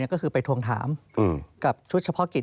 ก็คือไปทวงถามกับชุดเฉพาะกิจ